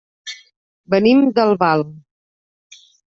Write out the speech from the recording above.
Venim d'Albal.